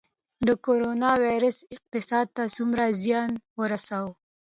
د کرونا ویروس اقتصاد ته څومره زیان ورساوه؟